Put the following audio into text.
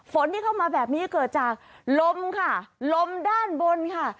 ฝนที่เข้ามาแบบนี้เกิดจากลมค่ะลมด้านบนค่ะ